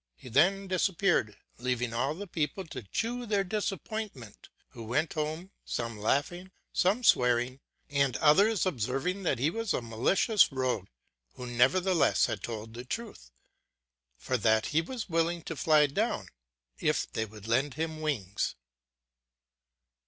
" He then disappeared, leaving all the people to chew their dis appointment, who went home, some laughing, some swearing, and otliers observing that he was a malicious rogue ; who never theless had told the truth, for that he was willing to fly down, if they would lend him wings.